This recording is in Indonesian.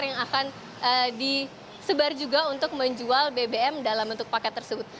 yang akan disebar juga untuk menjual bbm dalam bentuk paket tersebut